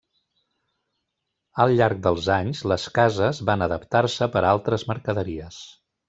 Al llarg dels anys les cases van adaptar-se per a altres mercaderies.